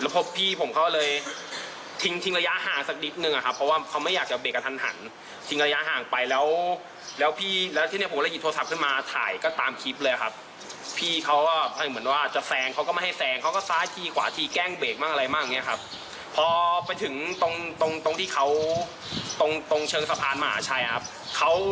พอไปถึงตรงเชิงสะพานมหาชัยครับ